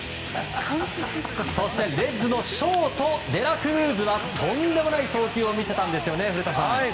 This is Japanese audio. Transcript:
レッズのショートデラクルーズはとんでもない送球を見せたんですよね、古田さん。